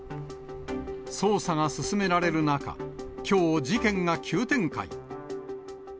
捜査が進められる中、きょう、事件が急展開。